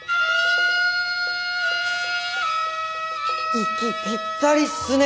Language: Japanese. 息ぴったりっすね。